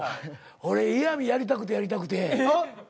俺イヤミやりたくてやりたくて。